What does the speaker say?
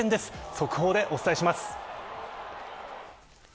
速報でお伝えします。